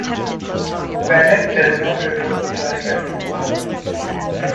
Benet does not report class rankings.